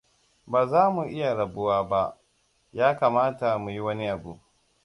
Baza mu iya rabuwa ba. Ya kamata muyi wani abu.